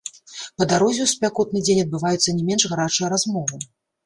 Па дарозе ў спякотны дзень адбываюцца не менш гарачыя размовы.